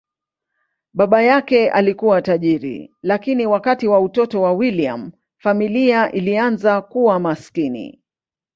Baba yake alikuwa tajiri, lakini wakati wa utoto wa William, familia ilianza kuwa maskini.